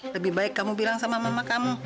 lebih baik kamu bilang sama mama kamu